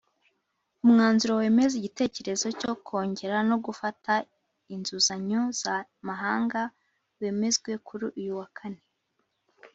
Umwanzuro wemeza igitekerezo cyo kongera no gufata inzuzanyo za mahanga wemezwe kuri uyu wa kane